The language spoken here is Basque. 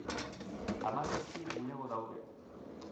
Hamazazpi bulego daude.